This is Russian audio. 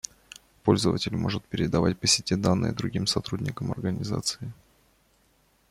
Пользователь может передавать по сети данные другим сотрудникам организации